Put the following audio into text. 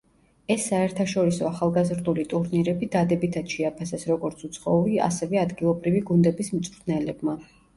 ეს საერთაშორისო ახალგაზრდული ტურნირები დადებითად შეაფასეს როგორც უცხოური, ასევე ადგილობრივი გუნდების მწვრთნელებმა.